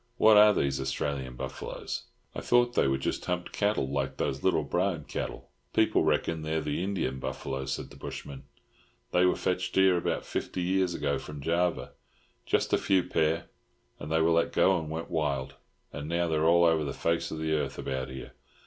What are these Australian buffaloes? I thought they were just humped cattle like those little Brahmin cattle." "People reckon they're the Indian buffalo," said the bushman. "They were fetched here about fifty years ago from Java—just a few pair, and they were let go and went wild, and now they're all over the face of the earth about here.